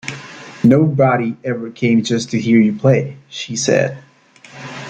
"Nobody ever came just to hear you play," she said.